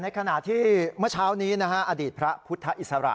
ขณะที่เมื่อเช้านี้อดีตพระพุทธอิสระ